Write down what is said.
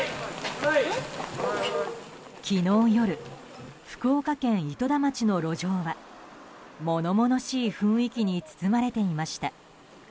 昨日夜、福岡県糸田町の路上は物々しい雰囲気に包まれていました。